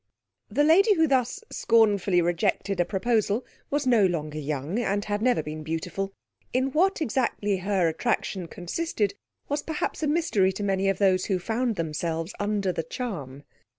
The lady who thus scornfully rejected a proposal was no longer young, and had never been beautiful. In what exactly her attraction consisted was perhaps a mystery to many of those who found themselves under the charm.